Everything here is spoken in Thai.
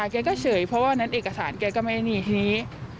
แกก็เฉยเพราะว่านั้นเอกสารแกก็ไม่นี่ทีนี้